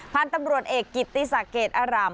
พันธุ์ตำรวจเอกกิตติสาเกตอร่ำ